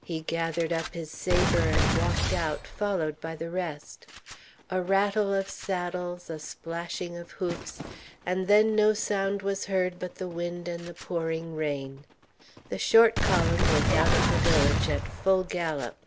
He gathered up his sabre and walked out, followed by the rest. A rattle of saddles, a splashing of hoofs, and then no sound was heard but the wind and the pouring rain. The short column went out of the village at full gallop.